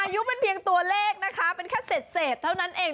อายุมันเพียงตัวเลขนะคะเป็นแค่เศษเท่านั้นเอง